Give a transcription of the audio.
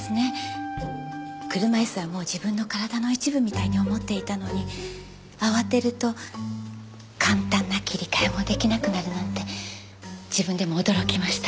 車椅子はもう自分の体の一部みたいに思っていたのに慌てると簡単な切り替えも出来なくなるなんて自分でも驚きました。